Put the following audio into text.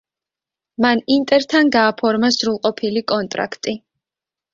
მან ინტერთან გააფორმა სრულყოფილი კონტრაქტი.